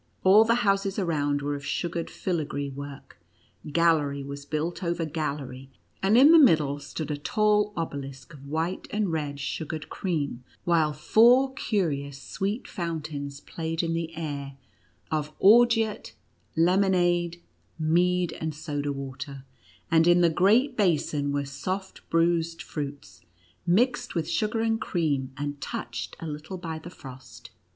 All the houses around were of sugared filagree work; gallery was built over gallery, and in the middle stood a tall obelisk of white and red sugared cream, while four curious, sweet fountains played in the air, of orgeat, lemonade, mead, and soda water, and in the great basin were soft bruised fruits, mixed with sugar and cream, and touched a little by the frost.